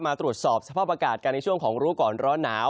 มารีวิทย์สอบเฉภาพประกาศกันและช่วงของรู้ก่อนร้อนหนาว